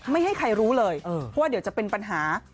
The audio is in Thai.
ไม่ให้ใครรู้เลยว่าเดี๋ยวจะเป็นปัญหา